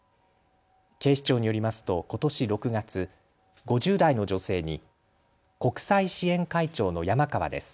警視庁によりますとことし６月、５０代の女性に国際支援会長の山川です。